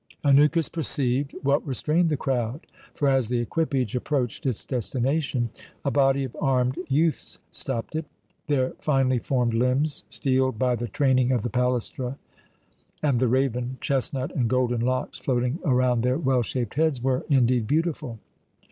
Anukis perceived what restrained the crowd; for, as the equipage approached its destination, a body of armed youths stopped it. Their finely formed limbs, steeled by the training of the Palæstra, and the raven, chestnut, and golden locks floating around their well shaped heads, were indeed beautiful.